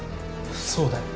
そうだよ。